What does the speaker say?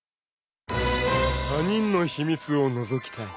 ［他人の秘密をのぞきたい］